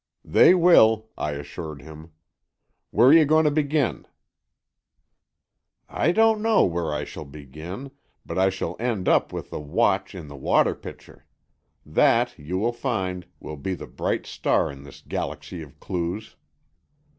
"They will," I assured him. "Where are you going to begin?" "I don't know where I shall begin, but I shall end up with the watch in the water pitcher. That, you will find, will be the bright star in this galaxy of clues."